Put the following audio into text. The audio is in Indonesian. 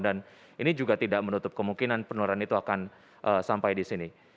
dan ini juga tidak menutup kemungkinan penularan itu akan sampai di sini